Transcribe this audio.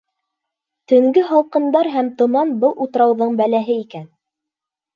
Төнгө һалҡындар һәм томан был утрауҙың бәләһе икән.